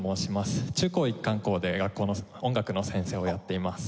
中高一貫校で学校の音楽の先生をやっています。